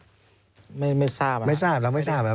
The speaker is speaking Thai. ไม่ทราบละครับไม่ทราบละไม่ทราบละครับกันนะคะพพรโรงพยาบาลพอทิเชฟร์เลย